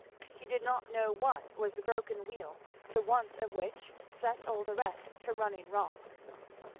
He did not know what was the broken wheel the want of which set all the rest to running wrong.